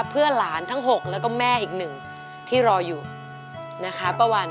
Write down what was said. เพื่อหลานทั้ง๖แล้วก็แม่อีกหนึ่งที่รออยู่นะคะป้าวัน